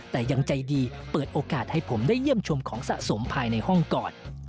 แต่ยังใจดีเปิดโอกาสให้ผมได้เยี่ยมชมของสะสมภายในห้องก่อน